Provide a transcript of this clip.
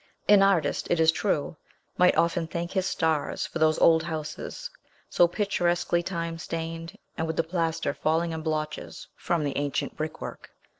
An artist, it is true, might often thank his stars for those old houses, so picturesquely time stained, and with the plaster falling in blotches from the ancient brick work.